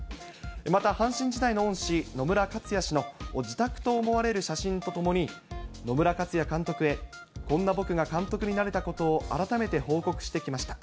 また阪神時代の恩師、野村克也氏の自宅と思われる写真と共に、野村克也監督へ、こんな僕が監督になれたことを改めて報告してきました。